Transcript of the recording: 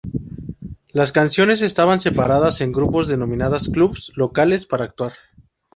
Las canciones estaban separadas en grupos denominados "Clubs", locales para actuar.